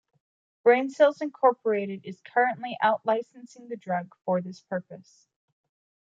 BrainCells Inc is currently out-licensing the drug for this purpose.